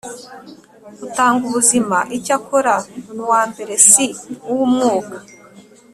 utanga ubuzima l Icyakora uwa mbere si uw umwuka